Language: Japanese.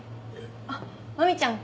あっ真美ちゃん